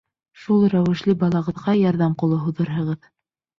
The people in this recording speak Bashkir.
Шул рәүешле балағыҙға ярҙам ҡулы һуҙырһығыҙ.